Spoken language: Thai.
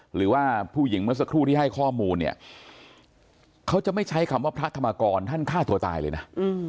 หรือว่าผู้หญิงเมื่อสักครู่ที่ให้ข้อมูลเนี่ยเขาจะไม่ใช้คำว่าพระธรรมกรท่านฆ่าตัวตายเลยนะ